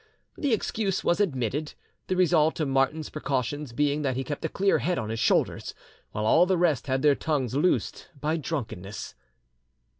The excuse was admitted, the result of Martin's precautions being that he kept a clear head on his shoulders, while all the rest had their tongues loosed by drunkenness.